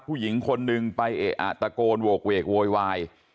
ผู้หญิงคนนึงไปเอะอะตะโกนโหกเวกโวยวาย